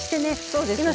そうですね。